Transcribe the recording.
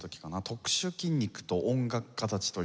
「特殊筋肉と音楽家たち」という。